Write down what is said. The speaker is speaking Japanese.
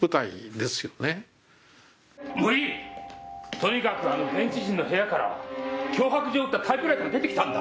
とにかくあの現地人の部屋から脅迫状を打ったタイプライターが出てきたんだ。